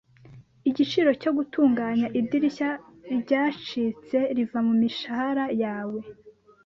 Igiciro cyo gutunganya idirishya ryacitse riva mumishahara yawe .